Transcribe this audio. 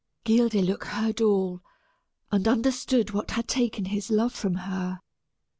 Guildeluec heard all, and understood what had taken his love from her.